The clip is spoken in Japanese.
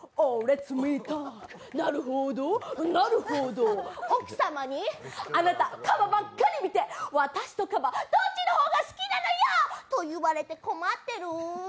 なるほど、なるほど奥さまにあなた、カバばっかり見て私とカバ、どっちの方が好きなのよ！と言われて困ってる。